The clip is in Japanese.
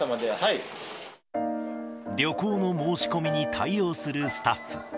旅行の申し込みに対応するスタッフ。